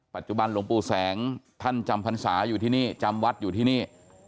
หลวงปู่แสงท่านจำพรรษาอยู่ที่นี่จำวัดอยู่ที่นี่